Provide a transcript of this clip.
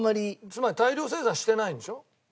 つまり大量生産してないんでしょ？